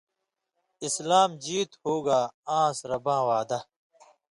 اسلام جیت ہوگا آنٚس رباں وعدہ